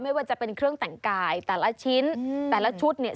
ไม่ว่าจะเป็นเครื่องแต่งกายแต่ละชิ้นแต่ละชุดเนี่ย